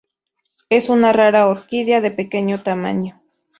Es una rara orquídea de pequeño tamaño.